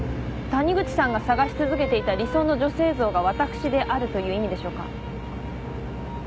谷口さんが探し続けていた理想の女性像が私であるという意味でしょうか？